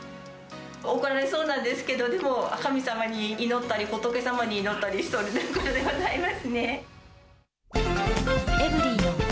怒られそうなんですけど、でも神様に祈ったり、仏様に祈ったりしているところでございますね。